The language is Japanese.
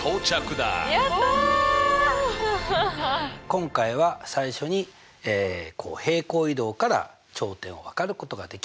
今回は最初に平行移動から頂点をわかることができると。